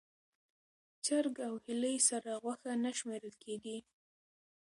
چرګ او هیلۍ سره غوښه نه شمېرل کېږي.